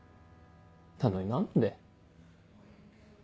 なのに何で。